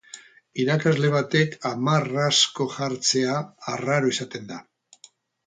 Irakasle batek hamar asko jartzea arraro izaten da.